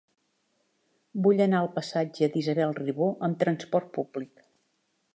Vull anar al passatge d'Isabel Ribó amb trasport públic.